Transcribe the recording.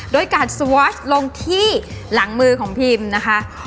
โดยกาดสวอชลงที่หลังมือของพิมนะคะ